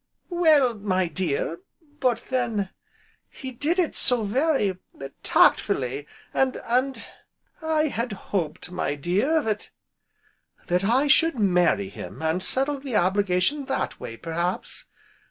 "Well, my dear . But then he did it so very tactfully, and and I had hoped, my dear that " "That I should marry him, and settle the obligation that way, perhaps?"